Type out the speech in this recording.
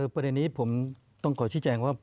ประเด็นนี้ผมต้องขอชี้แจงว่า